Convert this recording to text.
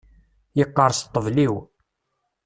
Yeqqerṣ ṭṭbel-iw.